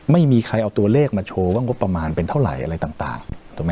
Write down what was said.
ไม่มีใครเอาตัวเลขมาโชว์ว่างบประมาณเป็นเท่าไหร่อะไรต่าง